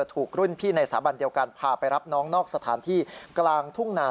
ถูกรุ่นพี่ในสถาบันเดียวกันพาไปรับน้องนอกสถานที่กลางทุ่งนา